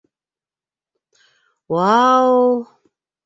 Уау!